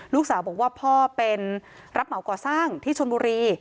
ลูกสาวบอกว่าพ่อเป็นรับเหมาก่อสร้างที่ชนบุรี